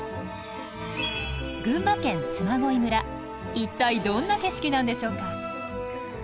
一体どんな景色なんでしょうか？